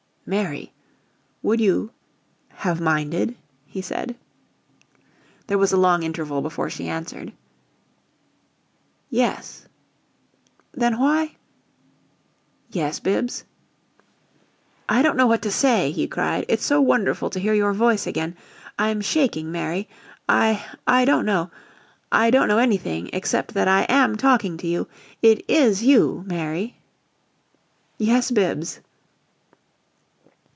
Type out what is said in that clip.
"Mary would you have minded?" he said. There was a long interval before she answered. "Yes." "Then why " "Yes, Bibbs?" "I don't know what to say," he cried. "It's so wonderful to hear your voice again I'm shaking, Mary I I don't know I don't know anything except that I AM talking to you! It IS you Mary?" "Yes, Bibbs!"